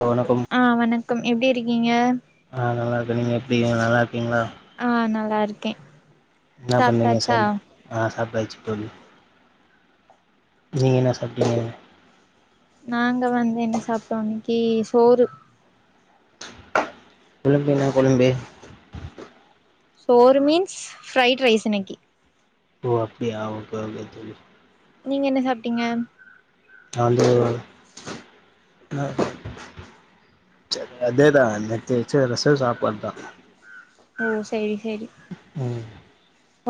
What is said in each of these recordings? போ வணக்கம் ஆ வணக்கம் எப்டி இருக்கீங்க ஆ நல்லா இருக்க நீங்க எப்டி நீங்க நல்லா இருக்கீங்ளா ஆ நல்லாருக்கே என்னா பண்ணிங்க சொல் அ சாப்டாச்சி தோழி நீங்க என்னா சாப்டிங்க நாங்க வந்து என்ன சாப்ட்டோ இன்னக்கி சோறு என்னா கொழம்பே சோறு மீன்ஸ் ஃப்ரைட் ரைஸ் இன்னக்கி ஓ அப்டியா ஓகே ஓகே தோழி நீங்க என்ன சாப்ட்டீங்க நாந்து அதேதா நேத்து வெச்ச ரெசொ சாப்பாடுதா ஓ செரி செரி ம்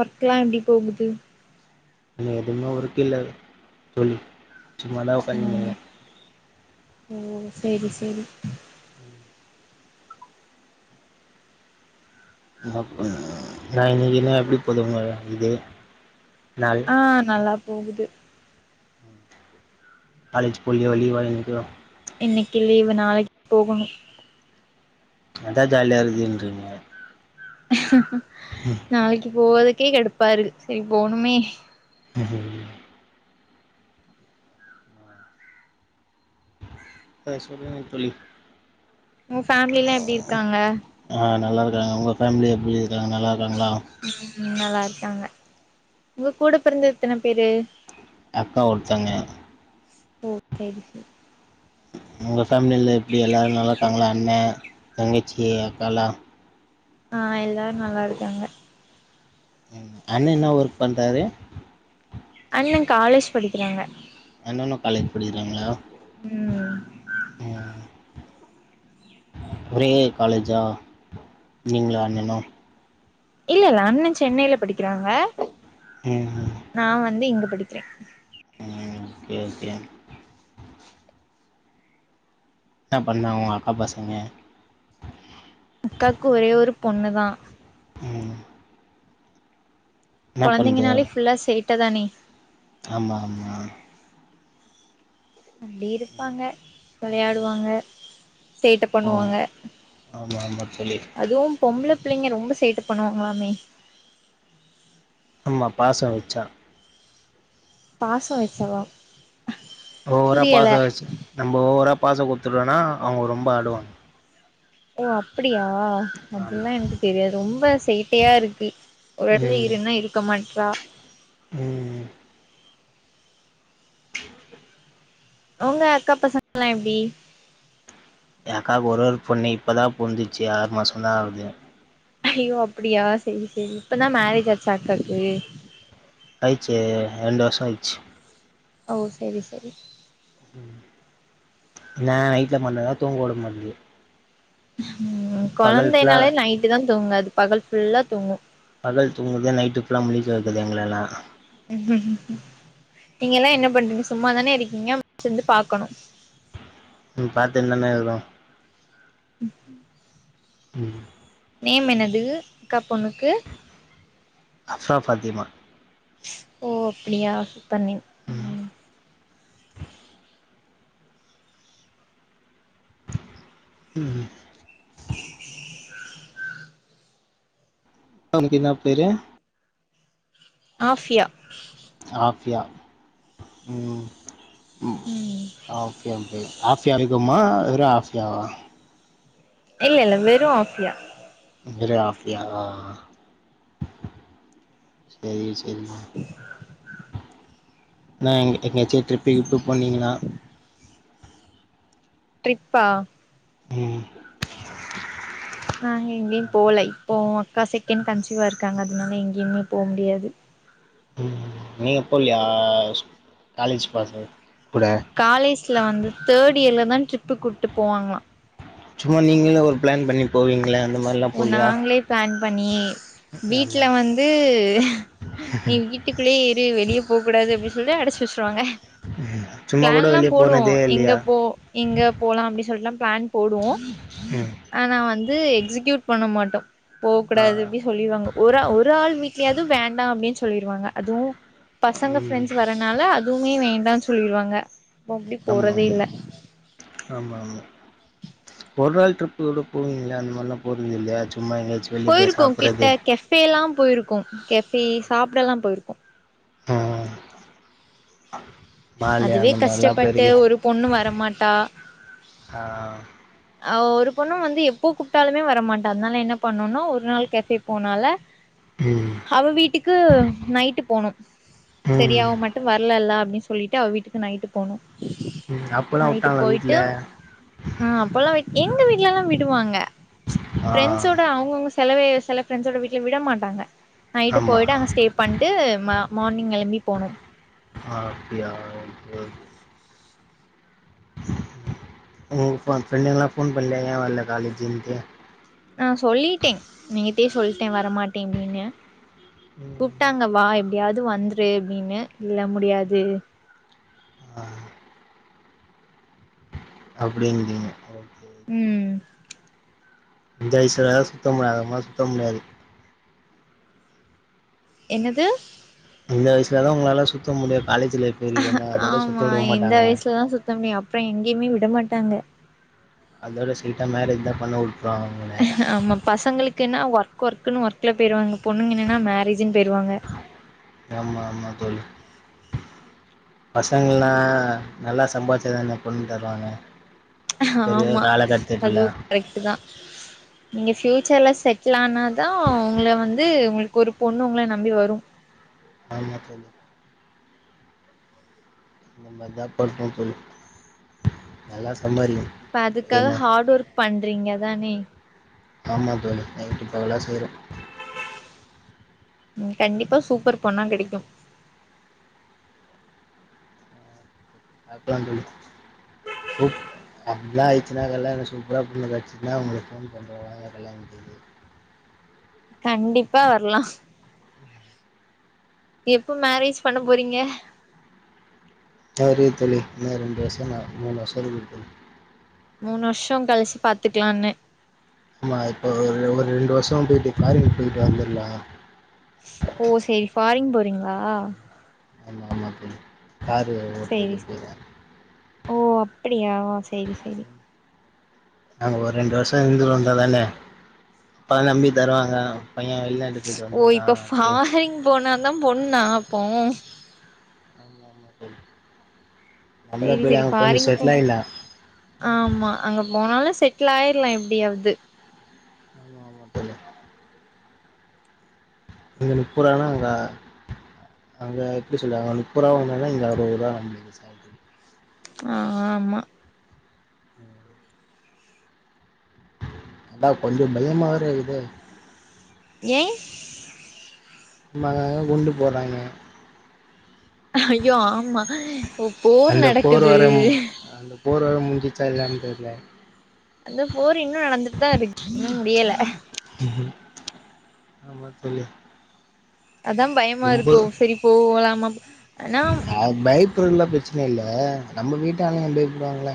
ஒர்க்லா எப்டி போகுது இல்ல எதுவுமே ஒர்க் இல்ல தோழி சும்மாதா ம் ஒக்காஞ்சினுகிற ஓ செரி செரி ம் [unintelligible] நா இன்னக்கி நாள் எப்டி போதுங்க இது நாள் ஆ நல்லா போகுது காலேஜ் போலியோ லீவா இன்னிக்கி இன்னக்கி லீவு நாளைக்கி போகணு அதா ஜாலியா இருக்குதுன்றீங்க ம் நாளைக்கி போறதுக்கே கடுப்பா இருக்கு சரி போணுமே ம் ஆ சொல்லுங்கள் தோழி உ ஃபேம்லிலா எப்டி இருக்காங்க ஆ நல்லா இருக்காங்க உங்க ஃபேம்லி எப்டி இருக்காங்க நல்லா இருக்காங்ளா ம் நல்லா இருக்காங்க உங்க கூட பிறந்தது எத்தன பேரு அக்கா ஒருத்தங்க ஓ செரி செரி உங்க ஃபேம்லில எப்டி எல்லாரு நல்லாருக்காங்ளா அண்ண தங்கச்சி அக்காலா ஆ எல்லாரு நல்லா இருக்காங்க ம் அண்ணே என்ன ஒர்க் பண்றாரு அண்ணே காலேஜ் படிக்கிறாங்க அண்ணனு காலேஜ் படிக்கிறாங்ளா உம் ஒரே காலேஜா நீங்களு அண்ணனும் இல்லல அண்ண சென்னையில படிக்கிறாங்க ம் உம் நா வந்து இங்க படிக்கிறே ம் ஓகே ஓகே என்ன பண்ணாங்க உங்க அக்கா பசங்க அக்காக்கு ஒரே ஒரு பொண்ணு தா ம் என்ன பண்ணுது கொழந்தைங்கனாலே ஃபுல்லா சேட்ட தானே ஆமா ஆமா அப்டி இருப்பாங்க விளையாடுவாங்க சேட்ட ஓ பண்ணுவாங்க ஆமா ஆமா தோழி அதுவும் பொம்பள பிள்ளைங்க ரொம்ப சேட்ட பண்ணுவாங்களாமே அம்மா பாசம் வச்சா பாசம் வச்சாவா ஓவரா பாசம் வச்சு நம்ம ஓவரா பாசம் குடுத்துட்டோனா அவுங்க ரொம்ப ஆடுவாங்க ஓ அப்டியா ஆமா அதெல்லா எனக்கு தெரியாது ரொம்ப சேட்டையா இருக்கு ஒரு எடத்ல ம் இருன்னா இருக்க மாட்றா ம் உங்க அக்கா பசங்களா எப்டி ஏ அக்காக்கு ஒரே ஒரு பொண்ணு இப்பதா பொறந்துச்சு ஆறு மாசம்தா ஆவுது ஐயோ அப்டியா சேரி சேரி இப்பந்தா மேரேஜ் ஆச்சா அக்காக்கு ஆயிச்சு ரெண்டு வருஷம் ஆயிச்சு ஓ செரி செரி என்ன நைட்ல மட்டுந்தா தூங்க வுட மாட்டுது ம் பகல் ஃபுல்லா கொழந்தைனாலே நைட்டு தா தூங்காது பகல் ஃபுல்லா தூங்கும் பகல் தூங்குது நைட்டு ஃபுல்லா முழிக்க வைக்குது எங்களலா நீங்கல்லா என்ன பண்றீங்க சும்மாதான இருக்கீங்க முழிச்சிருந்து பாக்கணு ம் பாத்துன்னுதான இருக்குறோ [inaudible] ம் நேம் என்னது அக்கா பொண்ணுக்கு அஃப்ரா ஃபாத்திமா ஓ அப்டியா சூப்பர் நேம் ம் ம் [inaudible] [unintelligible] என்னா பேரு ஆஃபியா ஆஃபியா ம் ம் ஓகே ஓகே ஆஃபியா அரிக்குமா வெறும் ஆஃபியாவா இல்ல இல்ல வெறும் ஆஃபியா வெறும் ஆஃபியாவா செரி செரிமா என்ன எங்கயாச்சு ட்ரிப்பு கிப்பு போனீங்களா ட்ரிப்பா ம் நாங்க எங்கயு போலை இப்போ அக்கா செகண்ட் கன்சிவா இருக்காங்க அதனால எங்கயுமே போ முடியாது ம் நீங்க போலையா சு காலேஜ் பசங்க கூட காலேஜ்ல வந்து தேர்ட் இயர்ல தா ட்ரிப்பு கூப்ட்டு போவாங்களா சும்மா நீங்களே ஒரு ப்ளான் பண்ணிட் போவீங்கள அந்த மாரிலா போலயா ப்ளான் பண்ணி வீட்ல வந்து நீ வீட்டுக்குள்ளேயே இரு வெளிய போ கூடாது அப்டின்னு சொல்லி அடச்சு வச்சுருவாங்க சும்மா பிளான் கூட ல்லா வெளிய போடுவோ போனதே எங்க இல்லையா போ இங்க போலா அப்டின்னு சொல்லிட்டுல்லா பிளான் போடுவோ ம் ஆனா வந்து எக்ஸிகியூட் பண்ண மாட்டோ போ ஆ கூடாது அப்டி சொல்லிருவாங்கோ ஒரு ஒரு ஆள் வீட்லயாவது வேண்டா அப்டின்னு சொல்லிருவாங்க அதுவு பசங்க ம் ஃபிரெண்ட்ஸ் வ ரனனால அதுவுமே வேண்டானு சொல்லிருவாங்க அப்போ அப்டி ஆமா போறதே ஆமா இல்ல ஆமா ஆமா ஒரு நாள் ட்டிரிப்பு கூட போவீங்களே அந்த மாரிலா போறது இல்லையா சும்மா எங்கேயாச்சு வெளிய போய் சாப்றது கஃபே எல்லா போயிருக்கு கெஃபே சாப்ட ல்லா போயிருக்கு ம் மாலு அதுவே அந்த மாரெல்லா கஷ்டப்பட்டு போயிருக்கி ஒரு பொண்ணு வரமாட்டா ஆ அ ஒரு பொண்ணு வந்து எப்போ கூப்டாலுமே வரமாட்டா அதனால என்ன பண்ணுனோ ஒரு நாள் கேஃபே போனால ம் அவ வீட்டுக்கு நைட்டு போணு செரி ம் அவ மட்டு வரலல்ல அப்டின்னு சொல்லிட்டு அவ வீட்டுக்கு நைட்டு போணு ம் அப்பல்லா நைட்டு வுட்டாங்களா வீட்ல போயிட்டு ஆ அப்பல்லா வெ எங்க வீட்ல எல்லா விடுவாங்க ஆ ஃபிரெண்ட்ஸ்ஜோட அவுங்கவுங்க செலவே செல ஃப்ரெண்ட்ஸோட வீட்ல விட மாட்டாங்க நைட்டு ஆமா போயிட்டு அங்கே ஸ்டே பண்ணிட்டு மா மார்னிங் எழும்பி போணு ஆ அப்டியா சேரி ம் உன் ஃப ஃப்ரெண்டுங்க எல்லா ஃபோன் பண்ணலய்யா ஏன் வர்ல காலேஜ்ன்ட்டு நா சொல்லிட்டே நீங்டயே சொல்ட்டே வரமாட்டே அப்டின்னு கூப்டாங்க வா எப்டியாவது வந்துரு அப்டின்னு இல்ல முடியாது ஆ அப்டிங்கிறீங்க ஓகே ம் இந்த வயசுல தா சுத்த முடியு அதுக்கப்பறமா சுத்த முடியாது என்னது இந்த வயசுல தா உங்களால சுத்த முடியு காலேஜ் லைஃப் வரைக்கு தான் அதோட சுத்த ஆமா விடவு இந்த மாட்டாங்க வயசுலதா சுத்த முடியு அப்றோ எங்கயுமே விடமாட்டாங்க அதோட ஸ்டேய்ட்டா மேரேஜ் தா பண்ண வுட்ருவாங்க ஆமா பசங்களுக்கு என்ன ஒர்க் ஒர்க்கன்னு ஒர்க்ல போயிருவாங்க பொண்ணுங்க என்னன்னா மேரேஜுன்னு போயிருவாங்க ஆமா ஆமா தோழி பசங்கலா நல்லா சம்பாதிச்சா தாங்க பொண்ணு தருவாங்க இப்ப இருக்குற காலக்கட்டத்துட்டுல கரெக்ட்டு தா [inaudible] நீங்க ஃபியூச்சர்ல செட்லானாதா உங்கள வந்து உங்களுக்கு ஒரு பொண்ணு உங்கள நம்பி வரு ஆமா தோழி அந்தமாரிதா பண்ணு தோழி நல்லா சம்பாரிக்கணு அப்ப அதுக்காக ஹார்டு ஒர்க் பண்றீங்க தானே ஆமா தோழி நைட்டு பகலா செய்றோ ம் கண்டிப்பா சூப்பர் பொண்ணா கிடைக்கு பாக்லா தோழி உப் அப்ல்லா ஆயிச்சுனா கல்யாண சூப்பரா பொண்ணு கெச்சுச்னா உங்களுக்கு ஃபோன் பண்றோ வாங்க கல்யாணதுக்கு கண்டிப்பா வரலா எப்போ மேரேஜ் பண்ண போறீங்க தெரி தோழி இன்னு ரெண்டு வருஷ மூணு வருஷோ இருக்குது தோழி மூணு வர்ஷோ கழிச்சி பாத்துக்குலான்னு ஆமா இப்போ ஒரு ஒரு ரெண்டு வர்ஷோ போயிட்டு ஃபாரின் போயிட்டு வந்துருலா ஓ சேரி ஃபாரின் போறீங்ளா ஆமா ஆமா தோழி காரு சேரி ஓட்டுறதுக்கு போயிடுவேன் ஓ அப்படியா சேரி சேரி அங்க ஒரு ரெண்டு வருஷோ இருந்துட்டு வந்தாதான அப்பதா நம்பி தருவாங்க பைய வெளிநாட்டுக்கு போயிட்டு வந்திருக்கா அப்டி போன தா பொண்ணா அப்போ [inaudible] நம்பளு சேரி பின்ன சேரி கொஞ்சோ ஃபாரின் போ செட்லாயிட்லா ஆமா அங்க போனாலு செட்டிலாயிர்லா எப்டியாவது ஆமா தோழி இங்க நுப்பருவானா அங்க அங்க எப்டி சொல்லுவாங்க நுப்பரூவா வாங்னாலே இங்க அறுவரூவா அம்பது பைசா ஆம்மா அதா கொஞ்சோ பயமா வேற இருக்குதே ஏ சும்மாதாங்க குண்டு போட்றாய்ங்க அய்யோ ஆம்மா ஓ போர் அந்த போர் நடக்குது வேற அந்த போர் வேற முஞ்சிச்சா இல்லையான் தெர்ல அந்த போர் இன்னு நடந்துட்டு தா இருக் [inaudible] இன்னு முடியல ம் ஆமா தோழி அதா பயமாக ரொம்ப இருக்கோ செரி போலாமா ப் ஆனா ஆ பயப் ப்ருல்லா பிரச்சன இல்ல நம்ம வீட்ட ஆளுங்க பயப்படுவாங்ல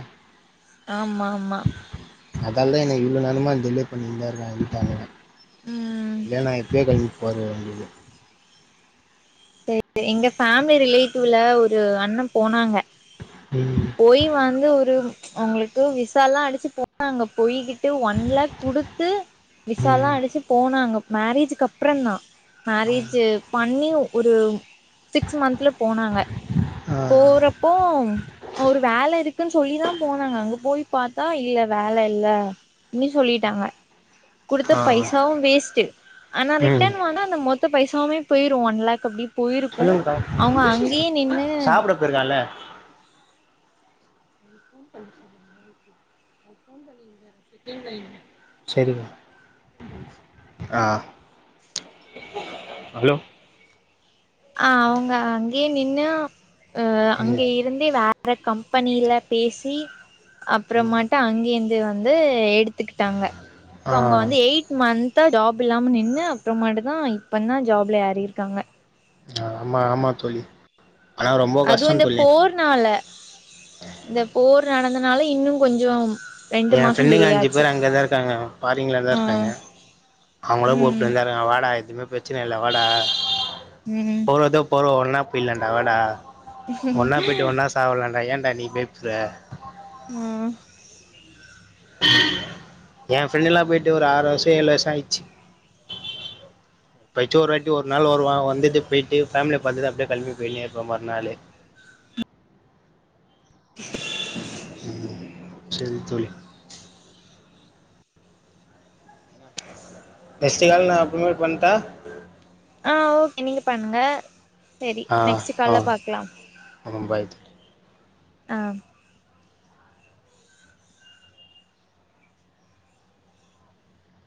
ஆமாம்மா அதால்தா என்ன இவ்ளோ நாளுமா டிலே பண்ணிட்டு தா இருக்காங்க வீட்டாளுங்க ம் இல்ல நா எப்பயே கெளம் போறவேண்டிது சேரி சே [unintelligible] எங்க ஃபேமிலி ரிலேட்டிவ்ல ஒரு அண்ண போனாங்க ம் போய் வந்து ஒரு அவுங்களுக்கு விசாலா அடிச்சு போனாங்க போய்கி ட்டு ஒன் லேக் குடுத்து விசாலா ம் அடுச்சு போனாங்க மேரேஜூக்கு அப்றோந்தா மேரேஜூ பண்ணி ஒரு சிக்ஸ் மந்த்ல போனாங்க ஆ போறப்போ ஒரு வேல இருக்குன் சொல்லிதா போனாங்க அங்க போயி பாத்தா இல்ல வேல இல்ல னி சொல்லிட்டாங்க குடுத்த ஆ ஆ பைசாவு வேஸ்ட்டு ஆனா ம் ரிட்டன் வந்தா அந்த மொத்த பைசாவுமே போயிரு ஒன் லேக் அப்டி போயிருக்கு சொல்லுங்கக்கா அவுங்க அங்கயே நின்னு க்குறதால [inaudible] நான் ஃபோன் பண்ணியிந்த செகண்ட் லைன் சேரிங்க ஆ ஹலோ ஆ அவுங்க அங்கயே நின்னு அ ம் அங்கயே இருந்து வேற கம்பெனில பேசி ம் அப்பறமாட்டு அங்கயே இ ந்து வந்து எடுத்துக்கிட்டாங்க இப்ப அங்க ஆ வந்து எய்ட் மந்த் தா ஜாப் இல்லாம நின்னு அப்பறமாட்டு தாஇப்போந்தா ஜாப்ல ஏறிருக்காங்க ஆமா ஆமா தோழி ஆனா ரொம்ப அதுவு கஷ்டம் இந்த தோழி போர்னால இந்த போர் நடந்தனால இன்னு கொஞ்சோ ரெண்டு எ மாசோ ஃப்ரெண்டுங்க டிலே அஞ்சு ஆச்சு பேர் அங்கதா இருக்காங்க ஃபாரீன்ல தா ஆ இருக்காங்க அவங்களு ம் கூப்ட்டுனு தா இருக்காங்க வாடா எதுவுமே பிரச்சன இல்ல வாடா ம் போறது போறோ ஒன்னா போயிலாண்டா வாடா ஒன்னா போயிட்டு ஒன்னா சாவலான்டா ஏன்டா நீ பயப்ற ம் எ ஃப்ரெண்டுலா போயிட்டு ஒரு ஆறு வருஷ ஏழு வருஷ ஆயிடுச்சு எப்பயாச்சு ஒரு வாட்டி ஒரு நாள் வருவா வந்துட்டு போயிட்டு பேமிலிய பாத்துட்டு அப்டியே கெளம்மி போயினே இருப்பா மறுநாளு ம் சரி தோழி நெஸ்ட் கால் நா அப்பறமே பண்ட்டா ஆ ஓகே நீங்க பண்ணுங்க செரி ஆ நெக்ஸ்ட் அ கால்ல பாக்கலாம் ஆமா பாய் அ